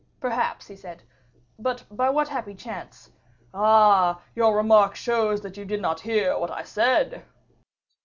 "Perhaps," he said. "But by what happy chance " "Ah! your remark shows that you did not hear what I said."